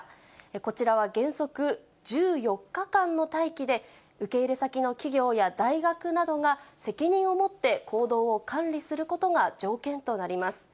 こちらは原則１４日間の待機で、受け入れ先の企業や大学などが責任を持って行動を管理することが条件となります。